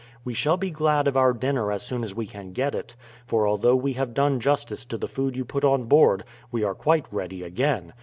We shall be glad of our dinner as soon as we can get it, for although we have done justice to the food you put on board, we are quite ready again.